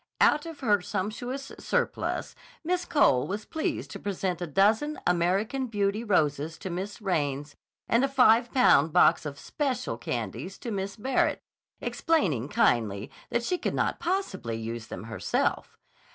Out of her sumptuous surplus, Miss Cole was pleased to present a dozen American Beauty roses to Miss Raines and a five pound box of "special" candies to Miss Barrett, explaining kindly that she could not possibly use them herself.